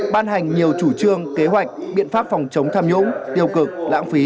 ban hành nhiều chủ trương kế hoạch biện pháp phòng chống tham nhũng tiêu cực lãng phí